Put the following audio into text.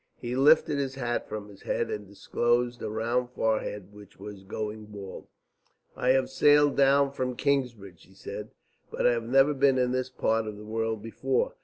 He lifted his hat from his head and disclosed a round forehead which was going bald. "I have sailed down from Kingsbridge," he said, "but I have never been in this part of the world before.